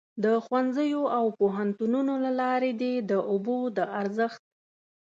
د ښوونځیو او پوهنتونونو له لارې دې د اوبو د ارزښت.